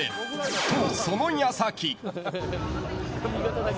と、その矢先。